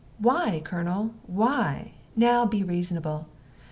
"Why, Colonel, why? Now be reasonable.